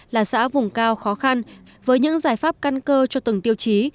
là xã vùng cao khó khăn với những giải pháp căn cơ cho từng tiêu chí